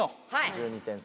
１２点差。